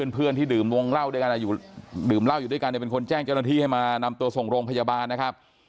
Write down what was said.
เพื่อนที่ดื่มวงเล่าด้วยกันดื่มเหล้าอยู่ด้วยกันเป็นคนแจ้งเจ้าหน้าที่ให้มานำตัวส่งโรงพยาบาลนะครับ